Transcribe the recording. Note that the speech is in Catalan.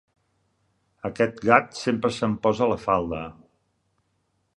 Aquest gat sempre se'm posa a la falda.